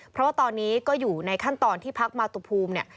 เพราะว่าตอนนี้อยู่ในขั้นตอนที่พรรคมาทับภูมิ